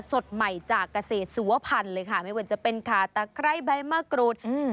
สดใหม่จากเกษตรสุวพันธ์เลยค่ะไม่ว่าจะเป็นขาตะไคร้ใบมะกรูดอืม